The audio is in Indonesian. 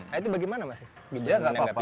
nah itu bagaimana mas gibran menanggapi